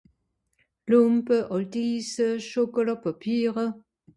Lùmpe àlt Isse Schokolàpàpiere